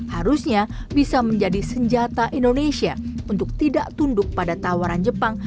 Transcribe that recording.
harusnya bisa menjadi senjata indonesia untuk tidak tunduk pada tawaran jepang